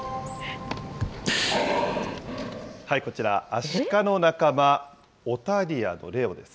こちら、アシカの仲間、、オタリアのレオです。